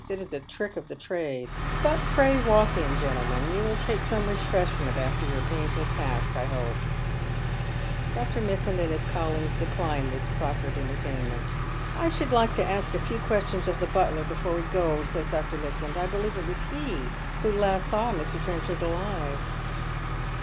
It is a trick of the trade. But pray walk in, gentlemen, you will take some refreshment after your painful task, I hope." Dr. Mitsand and his colleagues decline this proffered enter tainment. " I should like to ask a few questions of the butler before w» go," says Dr. Mitsand. " I believe it was he who last saw Mr. Trenchard alive."